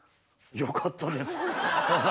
よかったですはい。